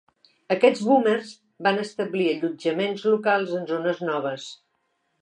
Aquests boomers van establir allotjaments locals en zones noves.